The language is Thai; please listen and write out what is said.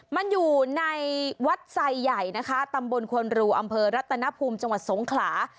มันอยู่ในวัดไซใหญ่นะคะตำบลควนรูอำเภอรัตนภูมิจังหวัดสงขลา